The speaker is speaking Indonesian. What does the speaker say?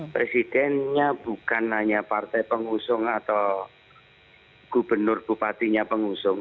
presidennya bukan hanya partai pengusung atau gubernur bupatinya pengusung